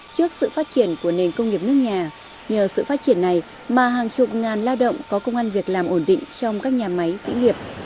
trước sự phát triển của nền công nghiệp nước nhà nhờ sự phát triển này mà hàng chục ngàn lao động có công an việc làm ổn định trong các nhà máy sĩ nghiệp